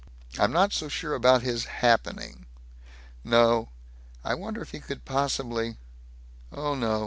"I'm not so sure about his happening No. I wonder if he could possibly Oh no.